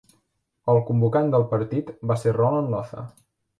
El convocant del partit va ser Roland Lotha.